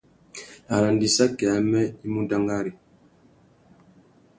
Arandissaki amê i mú dangari.